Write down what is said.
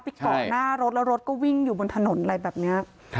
เกาะหน้ารถแล้วรถก็วิ่งอยู่บนถนนอะไรแบบนี้